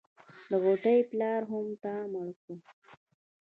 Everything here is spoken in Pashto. د غوټۍ پلار هم تا مړ کو.